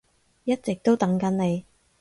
一直都等緊你